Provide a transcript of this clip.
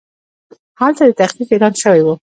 هلته د تخفیف اعلان شوی و.